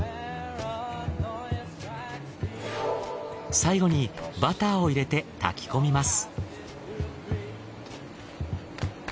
最後にバターを入れて炊き込みます。